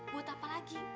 buat apa lagi